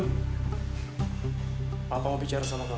papa mau bicara sama kamu